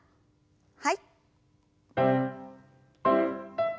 はい。